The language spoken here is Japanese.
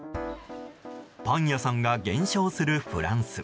パン屋さんが減少するフランス。